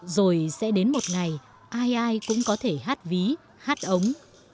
rồi sẽ đến một ngày ai ai cũng có thể hát ví hát ống